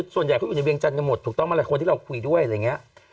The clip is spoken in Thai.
ส่วนใหญ่คุณอยู่ในเวียงจันทร์กันหมดถูกต้องมีหลายคนที่เราคุยด้วย